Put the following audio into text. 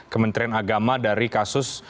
kementerian agama dari kasus